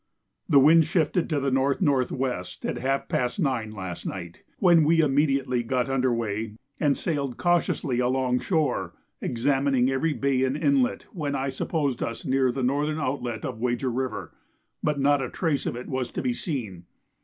The wind shifted to the N.N.W. at half past 9 last night, when we immediately got under weigh and sailed cautiously along shore, examining every bay and inlet when I supposed us near the northern outlet of Wager River, but not a trace of it was to be seen.